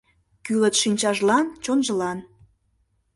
Кӱлыт шинчажлан, чонжылан.